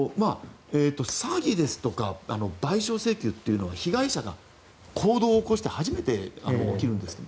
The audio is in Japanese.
詐欺ですとか賠償請求っていうのは被害者が行動を起こして初めて起きるんですね。